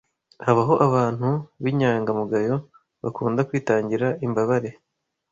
Habaho abantu b’inyanga mugayo bakunda kwitangira imbabare